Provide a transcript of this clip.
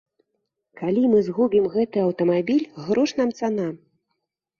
Калі мы згубім гэты аўтамабіль, грош нам цана.